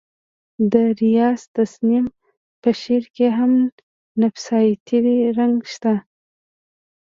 د ریاض تسنیم په شعر کې هم نفسیاتي رنګ شته